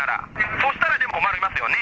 そしたら困りますよね。